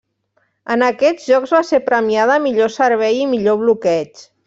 En aquests jocs va ser premiada Millor Servei i Millor Bloqueig.